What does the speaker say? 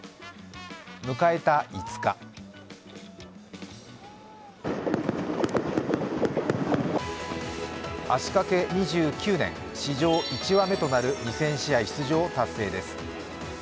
迎えた５日足かけ２９年、史上１羽目となる２０００試合出場を達成です。